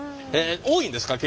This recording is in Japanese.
多いんですか？